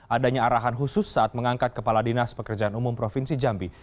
adanya arahan khusus saat mengangkat kepala dinas pekerjaan umum provinsi jambi